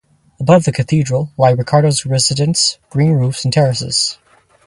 Above the Cathedral lie Ricardo's residence, green roofs and terraces.